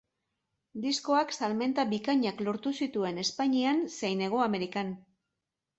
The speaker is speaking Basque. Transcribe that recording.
Diskoak salmenta bikainak lortu zituen Espainian zein Hego Amerikan.